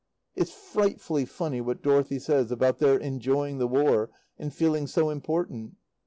It's frightfully funny what Dorothy says about their enjoying the War and feeling so important.